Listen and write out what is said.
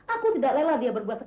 aku tidak lelah dia berbuas buas